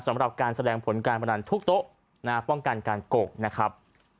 สำหรับการแสดงผลการพนันทุกโต๊ะป้องกันการโกกนะครับ